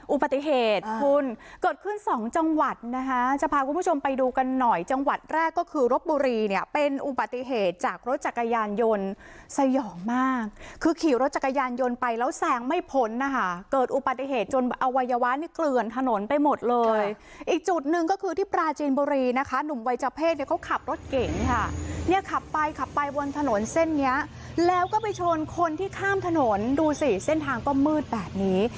อุปติเหตุคุณเกิดขึ้นสองจังหวัดนะคะจะพาคุณผู้ชมไปดูกันหน่อยจังหวัดแรกก็คือรถบุรีเนี้ยเป็นอุปติเหตุจากรถจักรยานยนต์สายหย่อมากคือขี่รถจักรยานยนต์ไปแล้วแสงไม่พ้นนะคะเกิดอุปติเหตุจนเอาวัยวะเนี้ยเกลื่อนถนนไปหมดเลยอีกจุดหนึ่งก็คือที่ปราจีนบุรีนะคะหนุ่มวัยเจ้าเพศเนี้ยเขาขับ